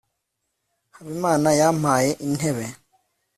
habimana yampaye intebe